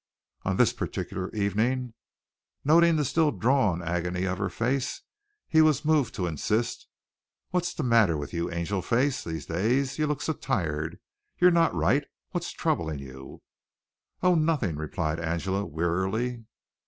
On this particular evening, noting the still drawn agony of her face, he was moved to insist. "What's the matter with you, Angelface, these days? You look so tired. You're not right. What's troubling you?" "Oh, nothing," replied Angela wearily.